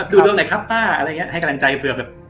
ดูดวงหน่อยครับป้าอะไรอย่างนี้ให้กำลังใจเผื่อแบบ